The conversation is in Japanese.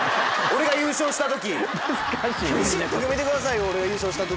俺が優勝した時は！